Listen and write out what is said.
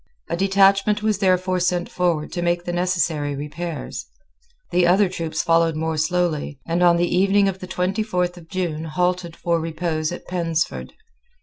A detachment was therefore sent forward to make the necessary repairs. The other troops followed more slowly, and on the evening of the twenty fourth of June halted for repose at Pensford.